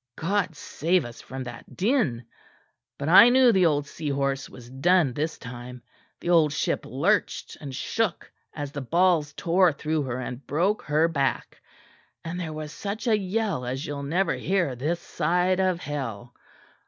God save us from that din! But I knew the old Seahorse was done this time the old ship lurched and shook as the balls tore through her and broke her back; and there was such a yell as you'll never hear this side of hell.